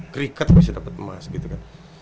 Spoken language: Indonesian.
cricket juga bisa dapat emas gitu kan